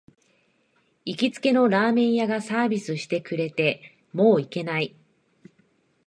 行きつけのラーメン屋がサービスしてくれて、もう行けない